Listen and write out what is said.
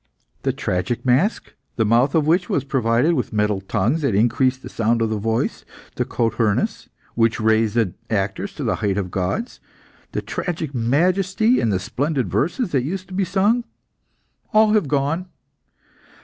The tragic mask, the mouth of which was provided with metal tongues that increased the sound of the voice; the cothurnus, which raised the actors to the height of gods; the tragic majesty and the splendid verses that used to be sung, have all gone.